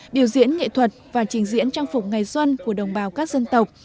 biểu diễn nghệ thuật và trình diễn trang phục ngày xuân của đồng bào các dân tộc